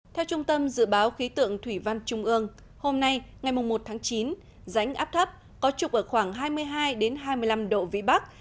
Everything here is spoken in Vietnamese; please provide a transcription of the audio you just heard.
theo trung tâm dự báo khí tượng thủy văn trung ương hôm nay ngày một tháng chín rãnh áp thấp có trục ở khoảng hai mươi hai hai mươi năm độ vĩ bắc